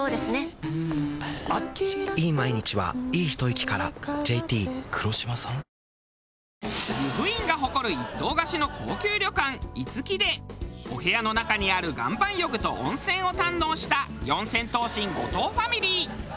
由布院が誇る一棟貸しの高級旅館樹でお部屋の中にある岩盤浴と温泉を堪能した四千頭身後藤ファミリー。